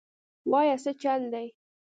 وايه سه چل دې.